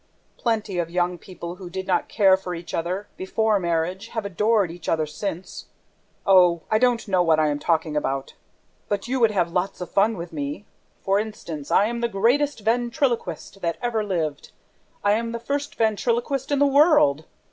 Plenty of young people who did not care for each other before marriage have adored each other since! Oh, I don't know what I am talking about! But you would have lots of fun with me. For instance, I am the greatest ventriloquist that ever lived, I am the first ventriloquist in the world!